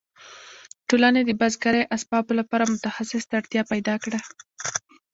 ټولنې د بزګرۍ اسبابو لپاره متخصص ته اړتیا پیدا کړه.